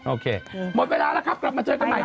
โอเคหมดเวลาแล้วครับกลับมาเจอกันใหม่